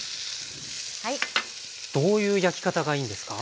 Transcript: どういう焼き方がいいんですか？